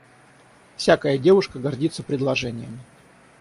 Всякая девушка гордится предложением.